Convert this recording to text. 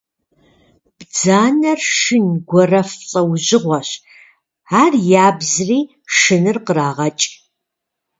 Бдзанэр шын, гуэрэф лӏэужьыгъуэщ, ар ябзри шыныр кърагъэкӏ.